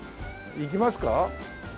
行きますか？